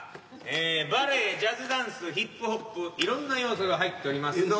ええバレエジャズダンスヒップホップいろんな要素が入っております。